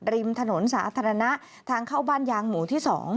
ริมถนนสาธารณะทางเข้าบ้านยางหมู่ที่๒